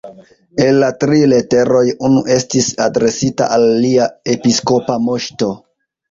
El la tri leteroj unu estis adresita al Lia Episkopa Moŝto.